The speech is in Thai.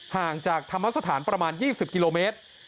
ห่างจากธรรมสถานประมาณ๒๐กิโลเมตร